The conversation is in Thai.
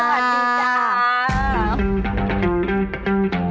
สวัสดีจ้า